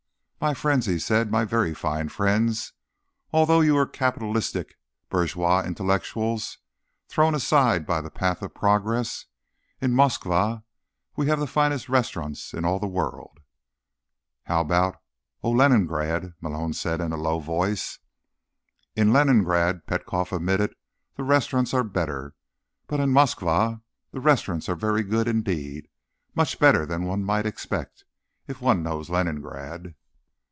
"My friends," he said. "My very fine friends—although you are capitalistic bourgeois intellectuals, thrown aside by the path of progress—in Moskva we have the finest restaurants in all the world." "How about ... oh, Leningrad?" Malone said in a low voice. "In Leningrad," Petkoff admitted, "the restaurants are better. But in Moskva, the restaurants are very good indeed. Much better than one might expect, if one knows Leningrad."